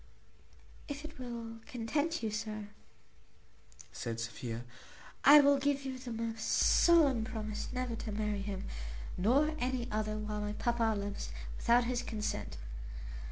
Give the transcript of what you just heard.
"If it will content you, sir," said Sophia, "I will give you the most solemn promise never to marry him, nor any other, while my papa lives, without his consent.